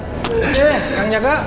oke kang jaka